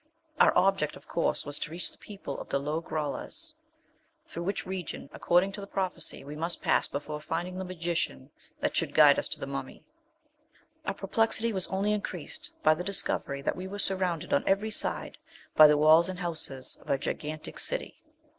Our object, of course, was to reach the people of the Lo grollas, through whose region, according to the prophecy, we must pass before finding the Magician that should guide us to the mummy. Our perplexity was only increased by the discovery that we were surrounded on every side by the walls and houses of a gigantic city.